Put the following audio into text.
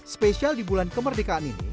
spesial di bulan kemerdekaan ini